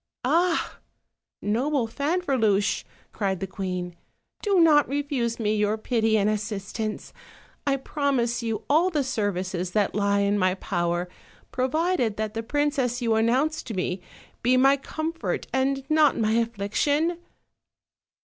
"Ah! noble Fanferluche," cried the queen, "do not refuse me your pity and assistance; I promise you all the services that lie in my power, provided that the princess you announce to me be my comfort, and not my afflic tion."